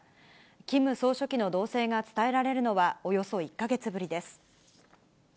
キム総書記の動静が伝えられるのは、およそ１か月ぶりです。